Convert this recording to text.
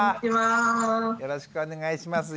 よろしくお願いします。